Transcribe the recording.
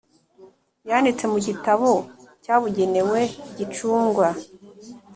Yanditse mu gitabo cyabugenewe gicungwa